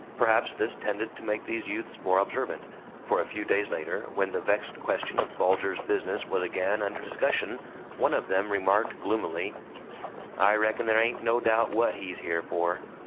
Perhaps this tended to make these youths more observant, for a few days later, when the vexed question of Bulger's business was again under discussion, one of them remarked, gloomily: "I reckon there ain't no doubt WHAT he's here for!"